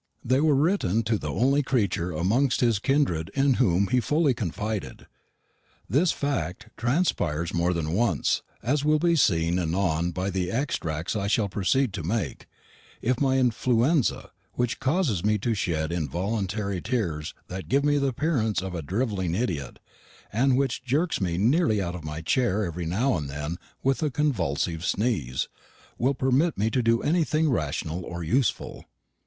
They were written to the only creature amongst his kindred in whom he fully confided. This fact transpires more than once, as will be seen anon by the extracts I shall proceed to make; if my influenza which causes me to shed involuntary tears that give me the appearance of a drivelling idiot, and which jerks me nearly out of my chair every now and then with a convulsive sneeze will permit me to do anything rational or useful.